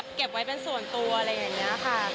เก็บไว้เป็นส่วนตัวอะไรอย่างนี้ค่ะ